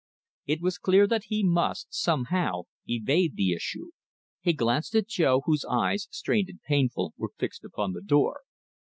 It was clear that he must, somehow, evade the issue. He glanced at Jo, whose eyes, strained and painful, were fixed upon the door.